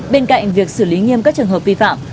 bên cạnh việc xử lý nghiêm các trường hợp vi phạm